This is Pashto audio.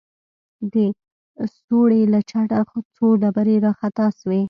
د سوړې له چته څو ډبرې راخطا سوې.